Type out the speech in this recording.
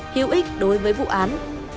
hiệu ích đối với vụ án